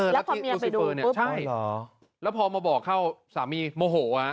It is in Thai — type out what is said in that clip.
แล้วพอเมียไปดูปุ๊บใช่แล้วพอมาบอกเข้าสามีโมโห